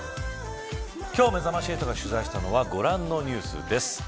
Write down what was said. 今日めざまし８が取材したのはご覧のニュースです。